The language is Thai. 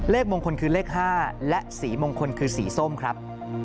มงคลคือเลข๕และสีมงคลคือสีส้มครับ